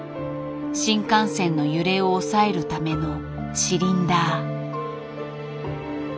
新幹線の揺れを抑えるためのシリンダー。